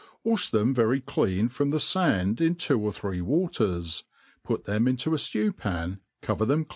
WASH them very ckan from the faiid in two or three wa* ters, put them into a ftew pan, cover them